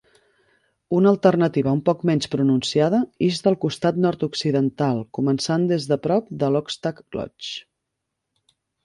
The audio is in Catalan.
Una alternativa un poc menys pronunciada ix del costat nord-occidental, començant des de prop de Lochstack Lodge.